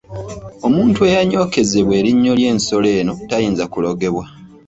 Omuntu eyanyookezebwa erinnyo ly’ensolo eno tayinza kulogebwa.